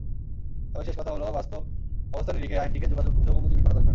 তবে শেষ কথা হলো, বাস্তব অবস্থার নিরিখে আইনটিকে যুগোপযোগী করা দরকার।